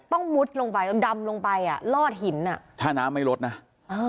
มุดลงไปดำลงไปอ่ะลอดหินอ่ะถ้าน้ำไม่ลดนะเออ